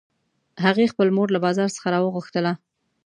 هغې خپله مور له بازار څخه راوغوښتله